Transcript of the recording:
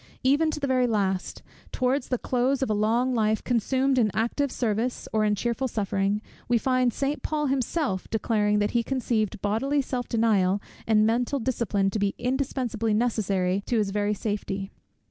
Even to the very last, towards the close of a long life consumed in active service, or in cheerful suffering, we find St. Paul himself declaring, that he conceived bodily self denial and mental discipline to be indispensably necessary to his very safety.